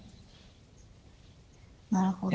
なるほど。